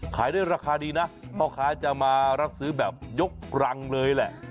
ขายได้ราคาดีนะพ่อค้าจะมารับซื้อแบบยกรังเลยแหละ